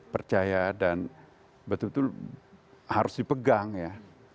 percaya dan betul betul harus dipegang ya